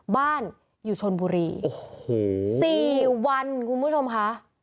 บ้านอยู่ชนบุรีโอ้โห๔วันคุณผู้ชมค่ะ